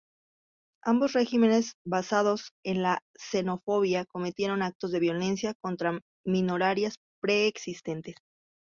Ambos regímenes, basados en la xenofobia, cometieron actos de violencia contra minorías preexistentes.